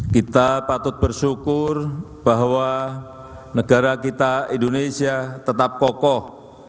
kita patut bersyukur bahwa negara kita indonesia tetap kokoh